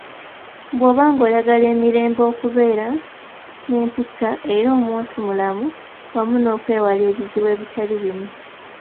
Bwoba ng'oyagala emirembe, okubeera nempisa, era omuntu mulamu wamu n'okwewala ebizibu ebitali bimu